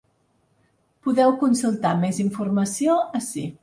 Podeu consultar més informació ací.